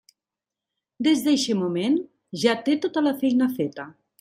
Des d'eixe moment, ja té tota la feina feta.